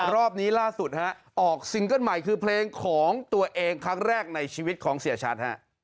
รอบนี้ล่าสุดออกซิงเกิ้ลใหม่คือเพลงของตัวเองครั้งแรกในชีวิตของเสียชัด